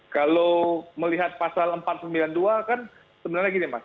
kalau melihat pasal empat ratus sembilan puluh dua kan sebenarnya gini mas